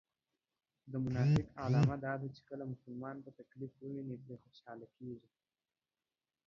د منافق علامه دا ده چې کله مسلمان په تکليف و ويني پرې خوشحاليږي